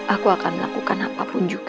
aku akan melakukan apapun juga